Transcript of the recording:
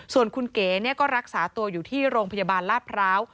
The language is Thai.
ส่วนคุณเก๋ก็รักษาตัวอยู่ที่โรงพยาบาลลาดพร้าว